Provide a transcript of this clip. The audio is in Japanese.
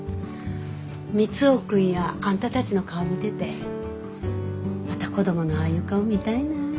三生君やあんたたちの顔見ててまた子供のああいう顔見たいなあ。